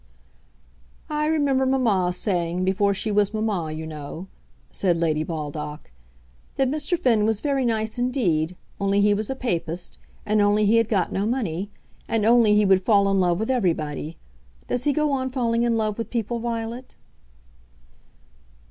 "I remember mamma saying, before she was mamma, you know," said Lady Baldock, "that Mr. Finn was very nice indeed, only he was a Papist, and only he had got no money, and only he would fall in love with everybody. Does he go on falling in love with people, Violet?"